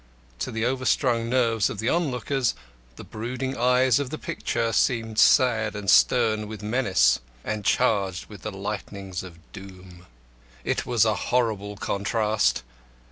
To the overstrung nerves of the onlookers, the brooding eyes of the picture seemed sad and stern with menace, and charged with the lightnings of doom. It was a horrible contrast.